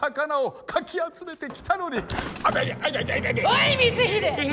おい光秀！